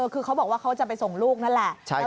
คือเขาบอกว่าเขาจะไปส่งลูกนั่นแหละ